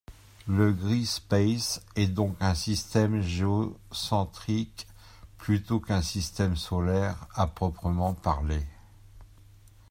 Le Grispace est donc un système géocentrique, plutôt qu'un système solaire à proprement parler.